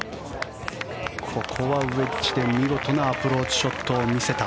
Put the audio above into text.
ここはウェッジで見事なアプローチショットを見せた。